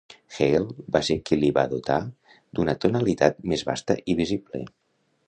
Hegel va ser qui li va dotar d'una tonalitat més vasta i visible.